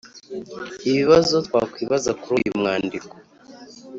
ibibazo twakwibaza kuri uyu mwandiko